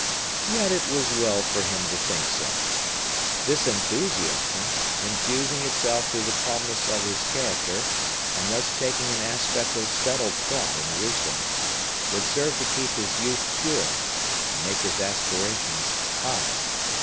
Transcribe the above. Yet it was well for him to think so. This enthusiasm, infusing itself through the calmness of his character, and thus taking an aspect of settled thought and wisdom, would serve to keep his youth pure, and make his aspirations high.